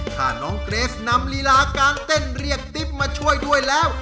ถ้าน้องเกรสนำลีลาการเต้นเรียกติ๊บมาช่วยด้วยแล้ว